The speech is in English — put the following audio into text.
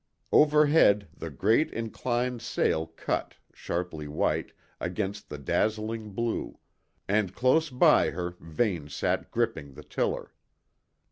Overhead, the great inclined sail cut, sharply white, against the dazzling blue, and close by her Vane sat gripping the tiller.